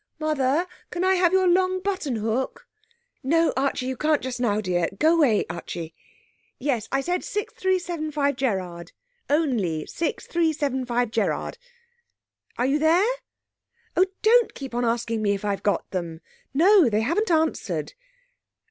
'Mother, can I have your long buttonhook?' 'No, Archie, you can't just now, dear.... Go away Archie.... Yes, I said 6375 Gerrard. Only 6375 Gerrard!... Are you there? Oh, don't keep on asking me if I've got them!... No, they haven't answered....